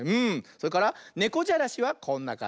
それからねこじゃらしはこんなかんじ。